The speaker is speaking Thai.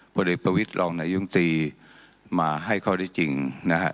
ผลเอกประวิทย์รองนายุงตีมาให้ข้อได้จริงนะฮะ